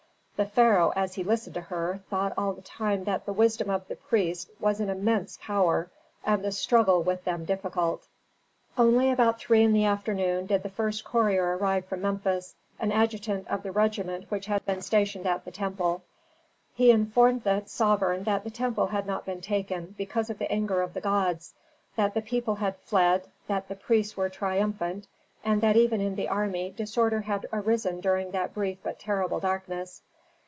The pharaoh as he listened to her, thought all the time that the wisdom of the priests was an immense power, and the struggle with them difficult. Only about three in the afternoon did the first courier arrive from Memphis, an adjutant of the regiment which had been stationed at the temple. He informed the sovereign that the temple had not been taken because of the anger of the gods; that the people had fled, that the priests were triumphant, and that even in the army disorder had arisen during that brief but terrible darkness.